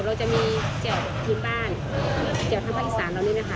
เราจะมีเจ๋วพื้นบ้านเจ๋วทางภาคีสานแล้วนี่นะคะ